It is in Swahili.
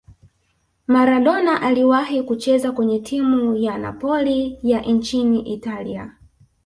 maradona aliwahi kucheza kwenye timu ya napoli ya nchini italia